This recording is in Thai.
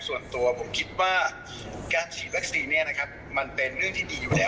ส่วนตัวผมคิดว่าการฉีดวัคซีนมันเป็นเรื่องที่ดีอยู่แล้ว